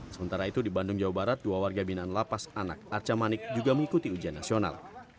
sementara itu di bandung jawa barat dua warga binaan lapas anak arca manik juga mengikuti ujian nasional